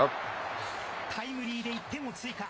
タイムリーで１点を追加。